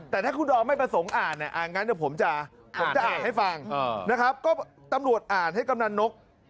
แต่ถ้าคุณดอมไม่ประสงค์อ่านงั้นเดี๋ยวผมจะผมจะอ่านให้ฟังนะครับก็ตำรวจอ่านให้กำนันนก